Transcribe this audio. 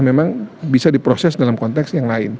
memang bisa diproses dalam konteks yang lain